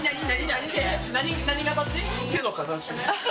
何？